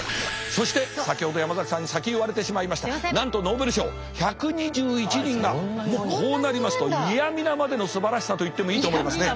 そして先ほど山崎さんに先言われてしまいましたなんとノーベル賞１２１人がもうこうなりますと嫌みなまでのすばらしさと言ってもいいと思いますね。